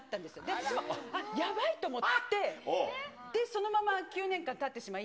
私も、あっ、やばいと思って、で、そのまま９年間たってしまい。